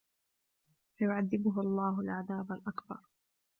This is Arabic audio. فيعذبه الله العذاب الأكبر